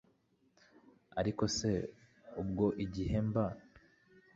ariko se ubwo igihe mba